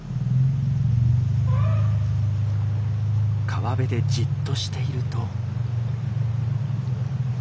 川辺でじっとしていると。